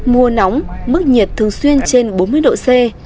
mùa nóng mức nhiệt thường xuyên trên bốn mươi độ c